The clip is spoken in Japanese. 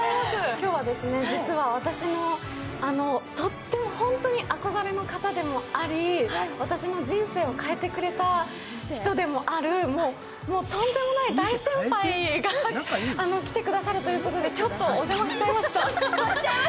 今日はですね、実は私のとってもホントの憧れの方でもあり私の人生を変えてくれた人でもある、とんでもない大先輩が来てくださるということでちょっとお邪魔しちゃいました。